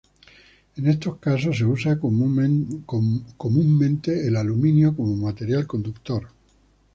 En estos casos se usa, comúnmente, el aluminio como material conductor.